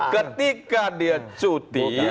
ketika dia cuti